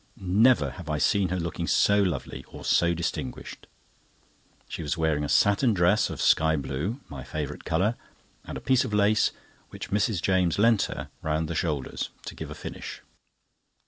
Never have I seen her look so lovely, or so distinguished. She was wearing a satin dress of sky blue—my favourite colour—and a piece of lace, which Mrs. James lent her, round the shoulders, to give a finish.